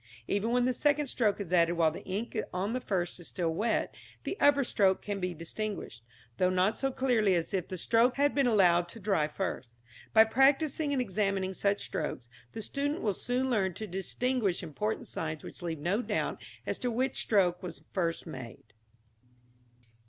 Even when the second stroke is added while the ink on the first is still wet the upper stroke can be distinguished, though not so clearly as if the first stroke had been allowed to dry first. By practising and examining such strokes, the student will soon learn to distinguish important signs which leave no doubt as to which stroke was first made.